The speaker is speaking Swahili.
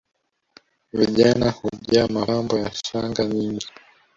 Vijana hujaa mapambo ya shanga nyingi